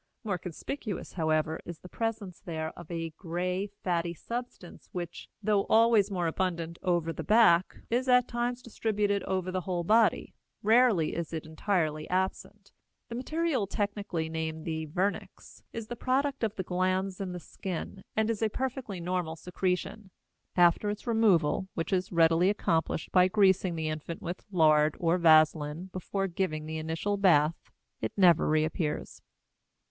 More conspicuous, however, is the presence there of a gray, fatty substance which, though always more abundant over the back, is at times distributed over the whole body; rarely is it entirely absent. The material, technically named the vernix, is the product of the glands in the skin and is a perfectly normal secretion. After its removal, which is readily accomplished by greasing the infant with lard or vaselin before giving the initial bath, it never reappears.